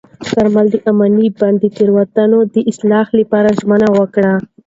کارمل د امین بانډ د تېروتنو د اصلاح لپاره ژمنه وکړه.